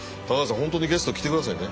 本当にゲスト来て下さいね。